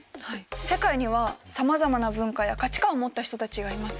世界にはさまざまな文化や価値観を持った人たちがいます。